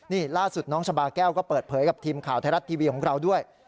นี่ล่าสุดน้องชาบาแก้วก็เปิดเผยกับทีมข่าวไทยรัฐทีวีของเราด้วย